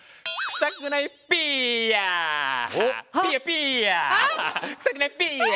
臭くないピヤ！